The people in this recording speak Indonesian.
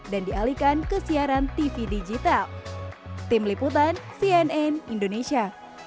dan dialihkan ke siaran tv digital tim liputan cnn indonesia